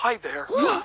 うわっ！